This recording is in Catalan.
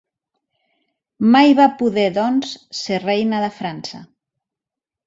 Mai va poder doncs ser reina de França.